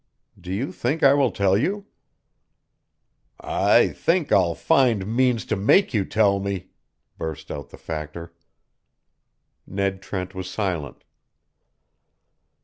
"Do you think I will tell you?" "I think I'll find means to make you tell me!" burst out the Factor. Ned Trent was silent.